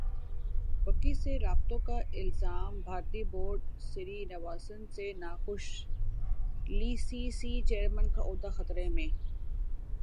بکی سے رابطوں کا الزام بھارتی بورڈ سری نواسن سے ناخوش ئی سی سی چیئرمین کا عہدہ خطرے میں